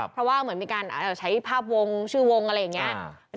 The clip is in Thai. เพราะว่าเหมือนมีการใช้ภาพวงชื่อวงอะไรอย่างนี้